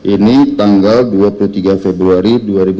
ini tanggal dua puluh tiga februari dua ribu dua puluh